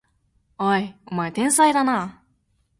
おい、お前天才だな！